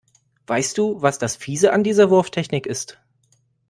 Weißt du, was das Fiese an dieser Wurftechnik ist?